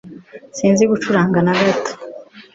Sinzi gucuranga na gato